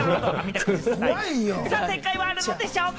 さぁ、正解はあるのでしょうか？